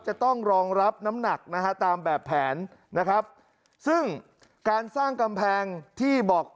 จะต้องรองรับน้ำหนักนะฮะตามแบบแผนนะครับซึ่งการสร้างกำแพงที่บอก